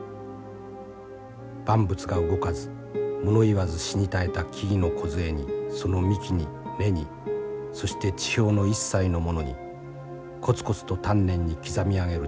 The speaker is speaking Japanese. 万物が動かず物言わず死に絶えた木々の梢にその幹に芽にそして地表の一切のものにコツコツと丹念に刻み上げる彫刻。